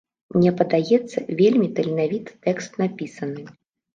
Мне падаецца, вельмі таленавіта тэкст напісаны.